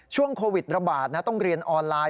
ช่วงโควิดระบาดนะต้องเรียนออนไลน์